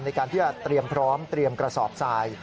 ในการที่จะเตรียมพร้อมเตรียมกระสอบทราย